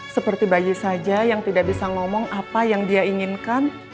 seperti bayi saja yang tidak bisa ngomong apa yang dia inginkan